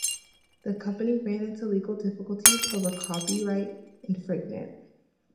The company ran into legal difficulties over copyright infringement.